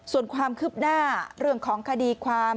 ส่วนความคืบหน้าเรื่องของคดีความ